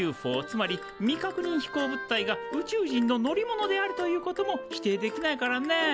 つまり未確認飛行物体が宇宙人の乗り物であるということも否定できないからね。